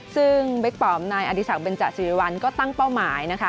ซึ่งเบ๊กปอร์มนายอดิสักเบนจะสิวิวัลก็ตั้งเป้าหมาย